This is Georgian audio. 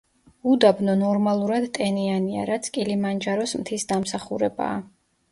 უდაბნო ნორმალურად ტენიანია, რაც კილიმანჯაროს მთის დამსახურებაა.